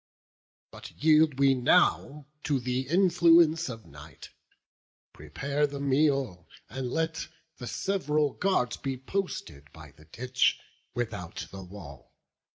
But yield we now to th' influence of night: Prepare the meal; and let the sev'ral guards Be posted by the ditch, without the wall.